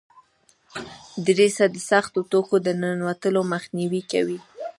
دریڅه د سختو توکو د ننوتلو مخنیوی کوي.